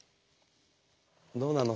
どうなの？